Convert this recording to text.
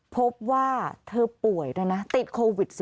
พบว่าเธอป่วยด้วยนะติดโควิด๑๙